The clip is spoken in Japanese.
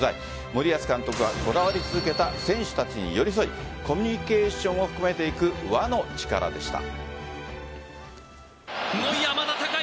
森保監督がこだわり続けた選手たちに寄り添いコミュニケーションを込めていく輪の力でした。